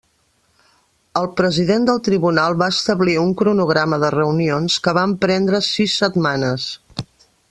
El president del tribunal va establir un cronograma de reunions que van prendre sis setmanes.